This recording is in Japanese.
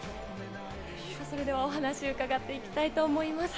それではお話を伺っていきたいと思います。